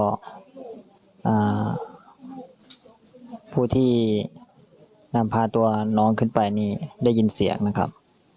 ก็ผู้ที่นำพาตัวน้องขึ้นไปนี่ได้ยินเสียงนะครับ